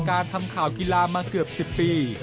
การทำข่าวกีฬามาเกือบ๑๐ปี